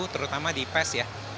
terutama di pes ya